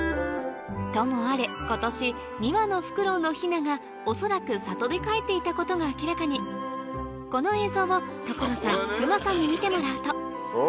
ともあれ今年２羽のフクロウのヒナが恐らく里でかえっていたことが明らかにこの映像を所さん隈さんに見てもらうとおお！